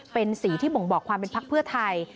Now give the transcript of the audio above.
เป็นสีที่บ่งบอกความเป็นพักเพื่อไทย